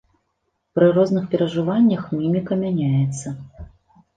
Пры розных перажываннях міміка мяняецца.